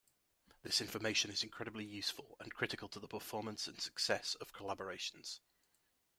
This information is incredibly useful and critical to the performance and success of collaborations.